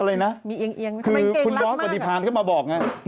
อะไรนะคือคุณบอสปฏิภัณฑ์เข้ามาบอกไงทำไมเกงรักมาก